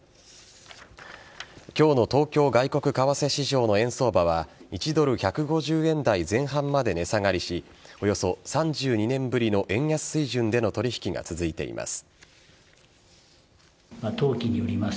今日の東京外国為替市場の円相場は１ドル１５０円台前半まで値下がりしおよそ３２年ぶりの円安水準での取引が続いています。